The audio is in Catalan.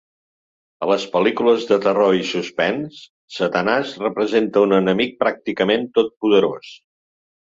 A les pel·lícules de terror i suspens, Satanàs representa un enemic pràcticament totpoderós.